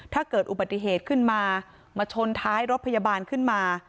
ถ้าเกิดอุบัติเหตุขึ้นมามาชนท้ายรถพยาบาลขึ้นมา